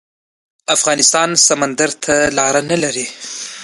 افغانستان سمندر ته لاره نلري